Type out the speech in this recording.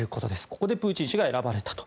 ここでプーチン氏が選ばれたと。